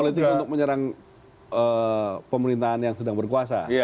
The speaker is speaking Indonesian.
nah step for politik untuk menyerang pemerintahan yang sedang berkuasa